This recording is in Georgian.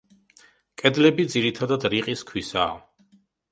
კედლები ძირითადად რიყის ქვისაა.